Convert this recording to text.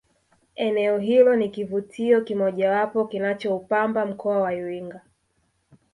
eneo hilo ni kivutio kimojawapo kinachoupamba mkoa wa iringa